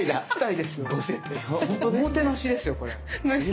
おもてなしですよこれ。